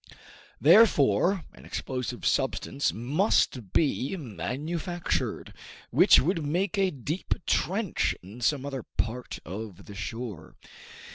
Therefore an explosive substance must be manufactured, which would make a deep trench in some other part of the shore.